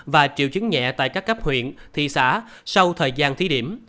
và triệu chứng nhẹ tại các cấp huyện thị xã sau thời gian thí điểm